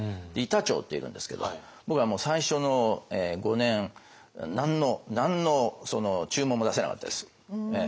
板長っているんですけど僕はもう最初の５年何の何の注文も出せなかったです。